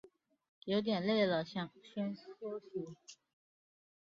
有点累了想先休息